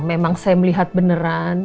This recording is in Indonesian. memang saya melihat beneran